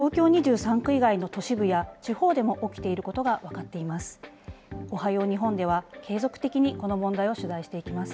定員割れによるこの保育異変、東京２３区以外の都市部や地方でも起きていることが分かっています。